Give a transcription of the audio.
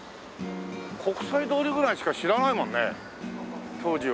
国際通りぐらいしか知らないもんね当時は。